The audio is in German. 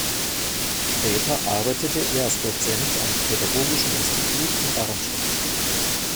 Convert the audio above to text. Später arbeitete er als Dozent am "Pädagogischen Institut" in Darmstadt.